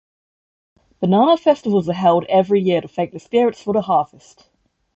Banana festivals are held every year to thank the spirits for the harvest.